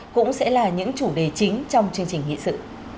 cũng sẽ là những chủ đề chính trong chương trình nghị sự